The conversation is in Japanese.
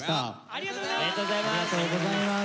ありがとうございます。